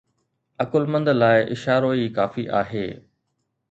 عقلمند لاءِ اشارو ئي ڪافي آهي